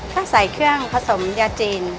ถ้าใส่เครื่องผสมยาจีน